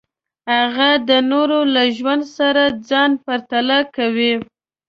هغه د نورو له ژوند سره ځان پرتله کوي.